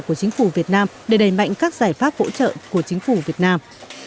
của chính phủ việt nam để đẩy mạnh các giải pháp hỗ trợ của chính phủ việt nam